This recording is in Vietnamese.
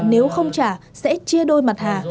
nếu không trả sẽ chia đôi mặt hà